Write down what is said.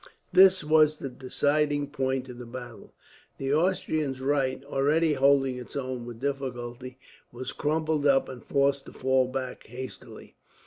This was the deciding point of the battle. The Austrian right, already holding its own with difficulty, was crumpled up and forced to fall back hastily.